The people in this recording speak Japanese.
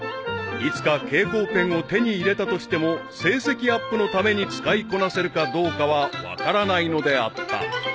［いつか蛍光ペンを手に入れたとしても成績アップのために使いこなせるかどうかは分からないのであった］